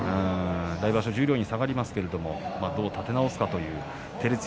来場所、十両に下がりますけどどう立て直すかという照強。